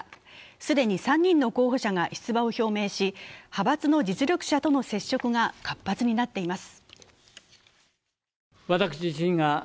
既に３人の候補者が出馬を表明し派閥の実力者との接触が活発になっています。